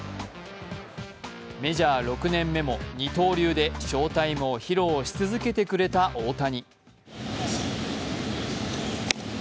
メジャー６年目も二刀流で翔タイムを披露し続けてくれた大谷。